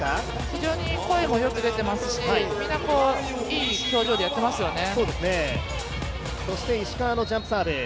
非常に声もよく出ていますし、みんないい表情でやっていますよね。